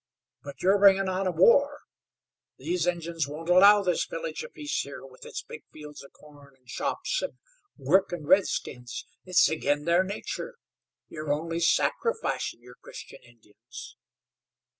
But you're bringin' on a war. These Injuns won't allow this Village of Peace here with its big fields of corn, an' shops an' workin' redskins. It's agin their nature. You're only sacrificin' your Christian Injuns."